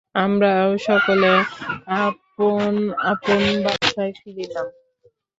আমরাও সকলে আপন আপন বাসায় ফিরিলাম।